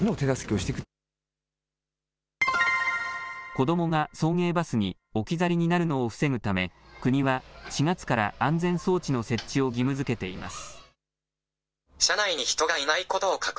子どもが送迎バスに置き去りになるのを防ぐため、国は４月から安全装置の設置を義務づけています。